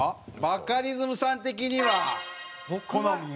バカリズムさん的には好み。